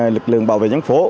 lực lượng bảo vệ dân phố